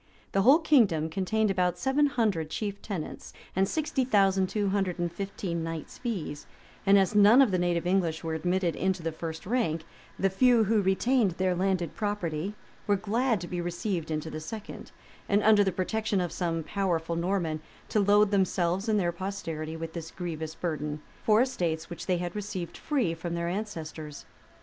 The whole kingdom contained about seven hundred chief tenants, and sixty thousand two hundred and fifteen knights' fees;[] and as none of the native English were admitted into the first rank, the few who retained their landed property were glad to be received into the second, and, under the protection of some powerful Norman, to load themselves and their posterity with this grievous burden, for estates which they had received free from their ancestors.